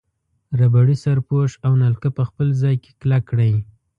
ربړي سرپوښ او نلکه په خپل ځای کې کلک کړئ.